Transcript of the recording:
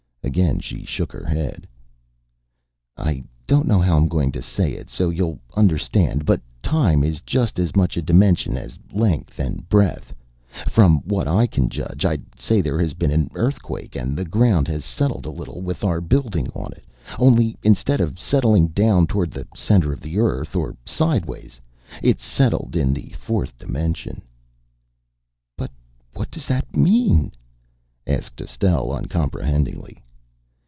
Again she shook her head. "I don't know how I'm going to say it so you'll understand, but time is just as much a dimension as length and breadth. From what I can judge, I'd say there has been an earthquake, and the ground has settled a little with our building on it, only instead of settling down toward the center of the earth, or side wise, it's settled in this fourth dimension." "But what does that mean?" asked Estelle uncomprehendingly.